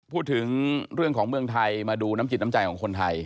พูดถึงเรื่องของเมืองไทยมาดูน้ำจิตน้ำใจของคนไทย